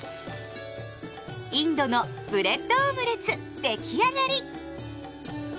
インドのブレッドオムレツ出来上がり。